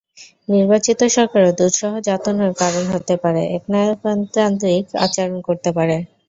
নির্বাচিত সরকারও দুঃসহ যাতনার কারণ হতে পারে, একনায়কতান্ত্রিক আচরণ করতে পারে।